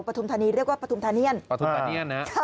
พบทรรณีเรียกว่าปธุมษณิยณ